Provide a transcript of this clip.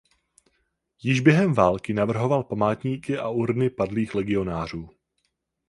Již během války navrhoval památníky a urny padlých legionářů.